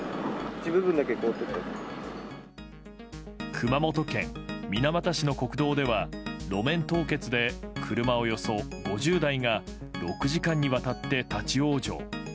熊本県水俣市の国道では路面凍結で車およそ５０台が６時間にわたって立ち往生。